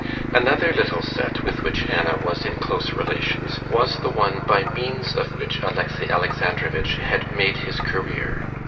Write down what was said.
Another little set with which Anna was in close relations was the one by means of which Alexey Alexandrovitch had made his career.